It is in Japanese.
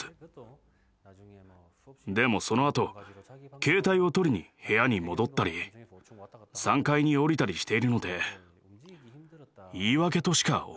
でもそのあと携帯を取りに部屋に戻ったり３階に下りたりしているので言い訳としか思えません。